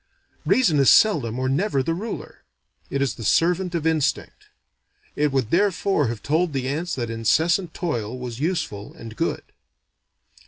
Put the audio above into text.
Reason is seldom or never the ruler: it is the servant of instinct. It would therefore have told the ants that incessant toil was useful and good.